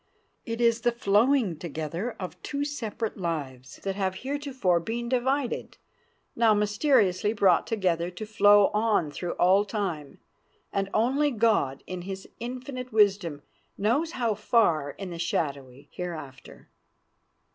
It is the flowing together of two separate lives that have heretofore been divided, now mysteriously brought together to flow on through all time, and only God in his infinite wisdom knows how far in the shadowy hereafter.